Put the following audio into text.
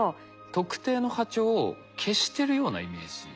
特定の波長を消してるようなイメージですか？